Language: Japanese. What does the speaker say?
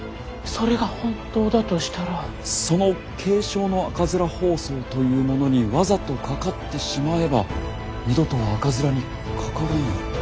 その軽症の赤面疱瘡というものにわざとかかってしまえば二度とは赤面にかからぬということになりますか？